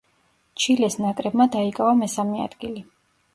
ჩილეს ნაკრებმა დაიკავა მესამე ადგილი.